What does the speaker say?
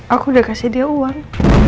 aku udah kasih dia uang